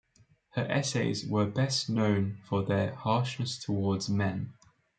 Her essays were best known for their harshness towards men.